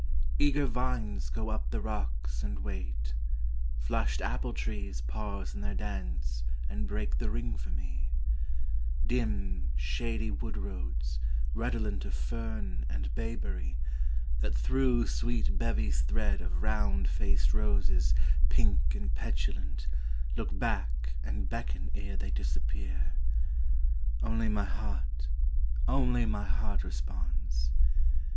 Eager vines Go up the rocks and wait; flushed apple trees Pause in their dance and break the ring for me; Dim, shady wood roads, redolent of fern And bayberry, that through sweet bevies thread Of round faced roses, pink and petulant, Look back and beckon ere they disappear. Only my heart, only my heart responds.